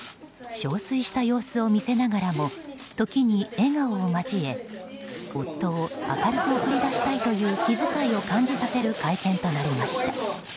憔悴した様子を見せながらも時に、笑顔を交え夫を明るく送り出したいという気遣いを感じさせる会見となりました。